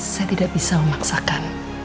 saya tidak bisa memaksakan